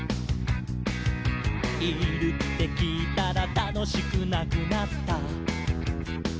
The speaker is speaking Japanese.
「いるってきいたらたのしくなくなった」